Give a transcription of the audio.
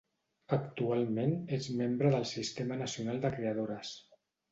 Actualment és membre del Sistema Nacional de Creadores.